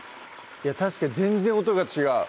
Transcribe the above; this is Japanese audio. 確かに全然音が違う